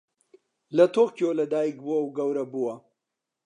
لە تۆکیۆ لەدایکبووە و گەورە بووە.